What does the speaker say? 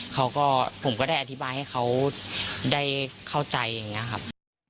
เขาก็ผมก็ได้อธิบายให้เขาได้เข้าใจอย่างนี้ครับ